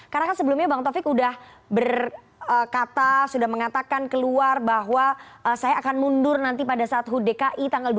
karena kan sebelumnya bang taufik sudah berkata sudah mengatakan keluar bahwa saya akan mundur nanti pada saat hudki tanggal dua puluh dua juni